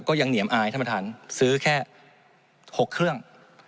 ยังเหนียมอายท่านประธานซื้อแค่๖เครื่อง